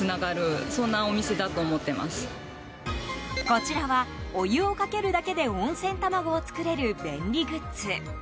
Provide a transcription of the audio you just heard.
こちらは、お湯をかけるだけで温泉卵を作れる便利グッズ。